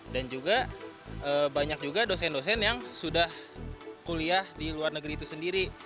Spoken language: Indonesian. dan juga banyak juga dosen dosen yang sudah kuliah di luar negeri itu sendiri